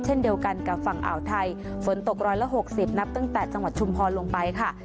เช่นเดียวกันกับฝั่งอ่าวไทยฝนตกร้อยละ๖๐นับตั้งแต่จังหวัดชุมพรลงไปค่ะ